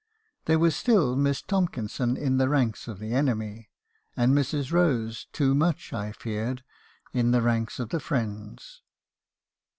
"There was still Miss Tomkinson in the ranks of the enemy ; and Mrs. Rose, too much, I feared, in the ranks of the friends."